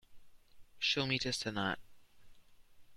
She'll meet us tonight.